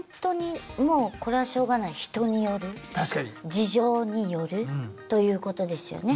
事情によるということですよね。